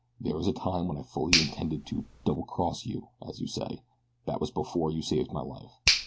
There was a time when I fully intended to 'double cross' you, as you say that was before you saved my life.